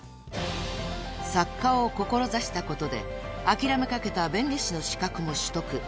［作家を志したことで諦めかけた弁理士の資格も取得］